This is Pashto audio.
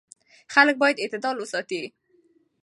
خلک باید اعتدال وساتي.